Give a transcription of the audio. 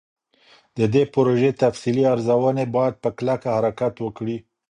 د دې پروژې تفصیلي ارزوني باید په کلکه حرکت وکړي.